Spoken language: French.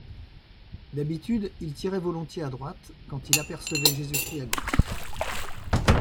D’habitude, il tirait volontiers à droite, quand il apercevait Jésus-Christ à gauche.